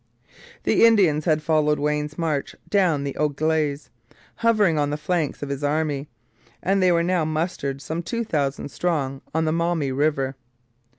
The Indians had followed Wayne's march down the Au Glaize, hovering on the flanks of his army, and they were now mustered some two thousand strong on the Maumee river.